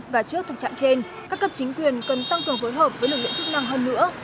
và trước thực trạng trên các cấp chính quyền cần tăng cường phối hợp với lực lượng chức năng hơn nữa